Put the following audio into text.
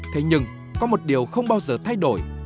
thế nhưng có một điều không bao giờ thay đổi